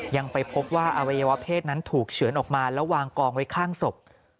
ยังไปพบว่าอวัยวะเพศนั้นถูกเฉือนออกมาแล้ววางกองไว้ข้างศพ